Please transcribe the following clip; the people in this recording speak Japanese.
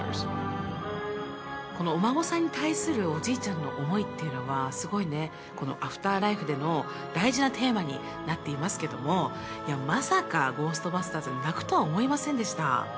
このお孫さんに対するおじいちゃんの思いっていうのはすごいねこの「アフターライフ」での大事なテーマになっていますけどもまさか「ゴーストバスターズ」で泣くとは思いませんでした